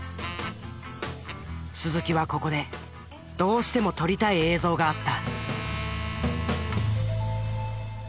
鈴木はここでどうしても撮りたい映像があった。